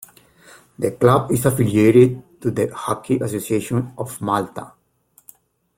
The club is affiliated to the Hockey Association of Malta.